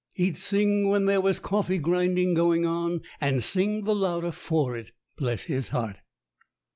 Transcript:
He'd sing when there was coffee grinding going on, and sing the louder for it. Bless his heart!